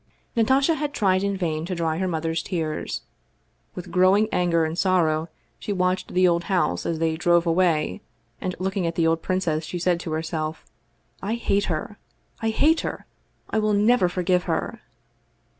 Natasha had tried in vain to dry her mother's tears. With growing anger and sorrow she watched the old house as they drove away, and looking at the old princess she said to herself, " I hate her! I hate her! I will never forgive her!"